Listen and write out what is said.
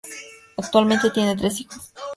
Actualmente tiene tres hijos.